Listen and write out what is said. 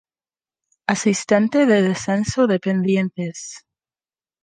Asistente de descenso de pendientes.